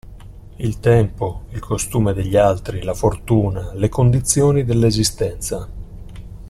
Il tempo, il costume degli altri, la fortuna, le condizioni dell'esistenza.